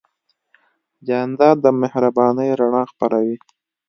جانداد د مهربانۍ رڼا خپروي.